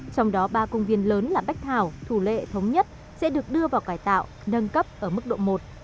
trong đó ba công viên lớn là bách thảo thủ lệ thống nhất sẽ được đưa vào cải tạo nâng cấp ở mức độ một